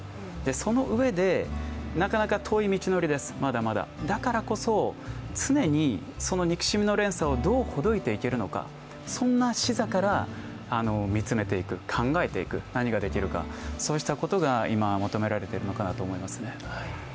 そのうえで、なかなか遠い道のりです、まだまだ、だからこそ常にその憎しみの連鎖をどうほどいていけるのかそんな示唆から見つめていく、考えていく、何ができるかそうしたことが求められてるのかなと思います